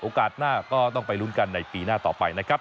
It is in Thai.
หน้าก็ต้องไปลุ้นกันในปีหน้าต่อไปนะครับ